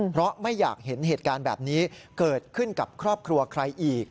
เพราะไม่อยากเห็นเหตุการณ์แบบนี้เกิดขึ้นกับครอบครัวใครอีก